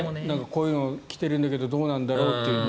こういうのが来てるけどどうなんだろうってね。